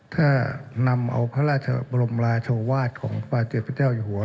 ถ้านำเอาพระราชบรมราชวาสของพระเด็จพระเจ้าอยู่หัว